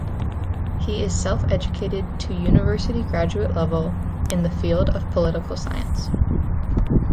He is self-educated to university graduate level in the field of political science.